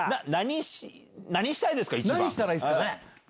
何したらいいですかね？